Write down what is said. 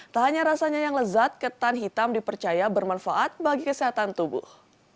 tak hanya rasanya yang lezat ketan hitam dipercaya bermanfaat bagi kesehatan tubuh